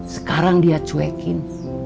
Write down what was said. sekarang dia cuekin